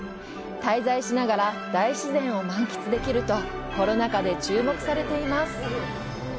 滞在しながら大自然を満喫できるとコロナ禍で注目されています。